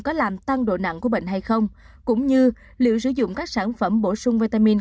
có làm tăng độ nặng của bệnh hay không cũng như liệu sử dụng các sản phẩm bổ sung vitamin